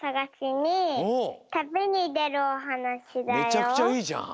めちゃくちゃいいじゃん。